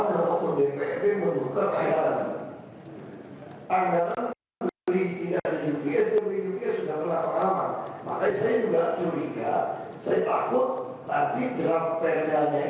perhitungan berada besar nilai pekerjaan pembangunan di negara negara